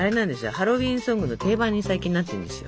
ハロウィーンソングの定番に最近なってるんですよ。